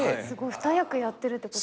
２役やってるってこと。